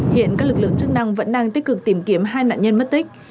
hiện các lực lượng chức năng vẫn đang tích cực tìm kiếm hai nạn nhân mất tích